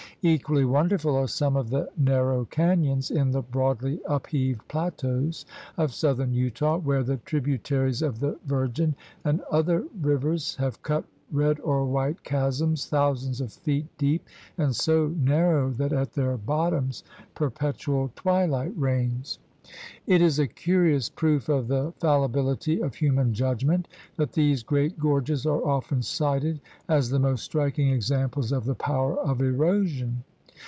Equally wonderful are some of the narrow canyons in the broadly upheaved plateaus of southern Utah where the tributaries of the Virgin and other rivers have cut red or white chasms thousands of feet deep and so narrow that at their bottoms per petual twilight reigns. It is a curious proof of the fallibility of human judgment that these great gorges are often cited as the most striking examples of the power of erosion.